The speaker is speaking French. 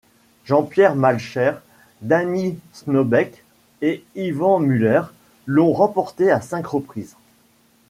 Jean-Pierre Malcher, Dany Snobeck et Yvan Muller l'ont remportée à cinq reprises.